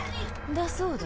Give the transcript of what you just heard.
だそうだ。